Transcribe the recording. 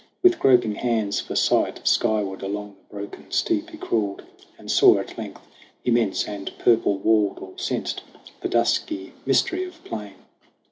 With groping hands for sight, Skyward along the broken steep he crawled, And saw at length, immense and purple walled Or sensed the dusky mystery of plain.